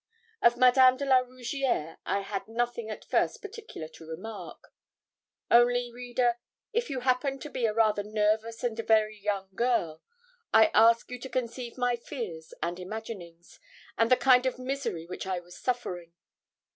Of Madame de la Rougierre I had nothing at first particular to remark. Only, reader, if you happen to be a rather nervous and very young girl, I ask you to conceive my fears and imaginings, and the kind of misery which I was suffering.